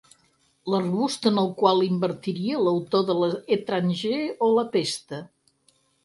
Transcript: L'arbust en el qual invertiria l'autor de L'Étranger o La Peste.